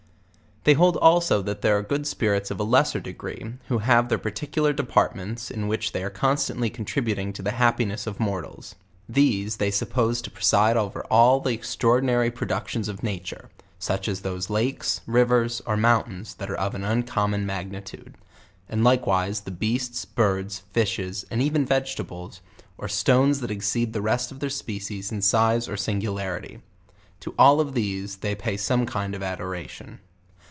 They hold also that there *are good spirits of a lesser de gree, who have their particular departments, in which they aro constantly contributing to the happiness of mortals. These they suppose to preside over all the extraordinary productions of nature, such as those lakes, rivers, or moun tains that are of an uncommon magnitude; and likewise the beasts, birds, fishes, and even vegetables, or stones that ex ceed the rest of their species in size or singularity. To all of these they pay some kind of adoration.